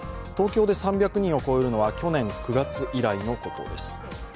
東京で３００人を超えるのは去年９月以来のことです。